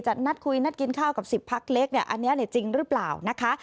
นัดคุยนัดกินข้าวกับ๑๐พักเล็กเนี่ยอันนี้จริงหรือเปล่านะคะ